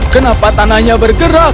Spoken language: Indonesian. kenapa tanahnya bergerak